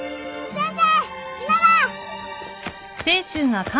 先生！